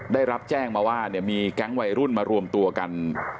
ได้รับแจ้งมาว่ามีแก๊งวัยรุ่นมารวมตัวกัน